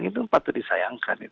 itu patut disayangkan